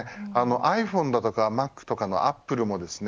ｉＰｈｏｎｅだとかマックのアップルもですね